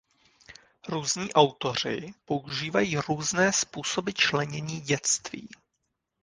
Různí autoři používají různé způsoby členění dětství.